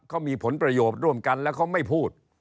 เขามีผลประโยชน์ร่วมกันแล้วเขาไม่พูด